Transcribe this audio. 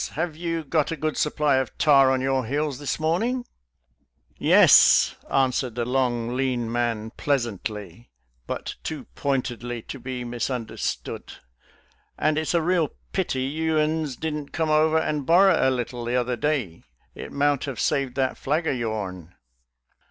Have you a good supply of tar on your heels this morning.? " 86 SOLDIER'S LETTERS TO CHARMING NELLIE " Yes," answered the long, lean man pleasantly, but too pointedly to be misunderstood, " and it's a real pity you'uns didn't come over and borrow a little the other day; it mout have saved that flag o' your'n."